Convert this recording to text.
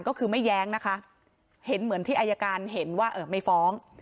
ก็คือไม่แย้งนะคะเห็นเหมือนที่อายการเห็นว่าไม่ฟ้อง